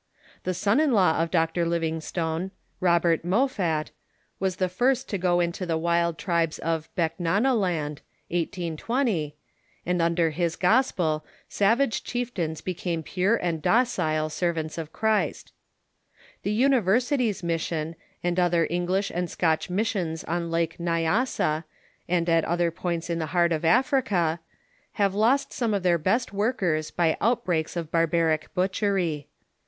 The son in law of Dr. Livingstone, Robert THE PROTESTANT MISSION FIELD 413 Moffat, was the first to go into the Avild tribes of I>eehuana land (1820), and under liis gospel savage chieftains became pure and docile servants of Christ. The Universities Mission, and other English and Scotch missions on Lake Nyassa and at other points in the heart of Africa, have lost some of their best workers by outbreaks of barbaric butchery.